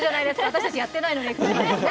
私たちやってないのに。